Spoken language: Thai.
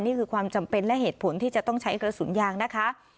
นี่คือความจำเป็นและเหตุผลที่จะต้องใช้กระสุนยางนะคะ